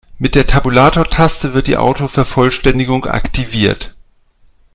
Mit der Tabulatortaste wird die Autovervollständigung aktiviert.